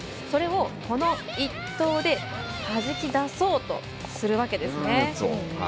それをこの１投ではじき出そうとするわけですね。